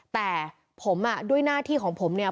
แต่ผมอ่ะด้วยหน้าที่ของผมเนี่ย